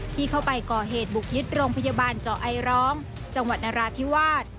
ที่เข้าไปก่อเหตุบุกยึดโรงพยาบาลเจาะไอร้องจังหวัดนราธิวาส